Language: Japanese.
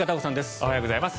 おはようございます。